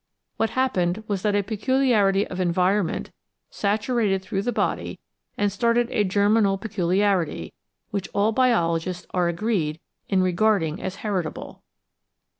What happened was that a peculiarity of environment saturated through the body, and started a germinal peculiarity, which all biologists are agreed in regarding as heritable.